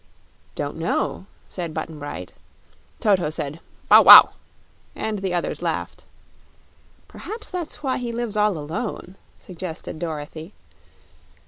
"Don't know," said Button Bright. Toto said, "Bow wow!" and the others laughed. "Perhaps that's why he lives all alone," suggested Dorothy.